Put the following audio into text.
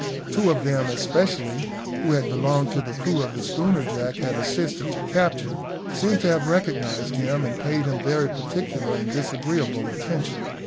Two of them especially, who had belonged to the crew of the schooner Jack had assisted to capture, seemed to have recognised him, and paid him very particular and disagreeable attention.